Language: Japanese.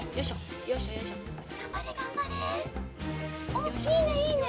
おっいいねいいね！